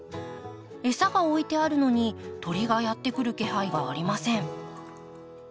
餌が置いてあるのに鳥がやって来る気配がありません。